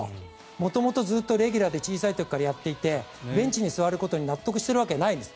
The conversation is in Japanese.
元々ずっとレギュラーで小さい時からやっていてベンチに座ることに納得しているわけないです。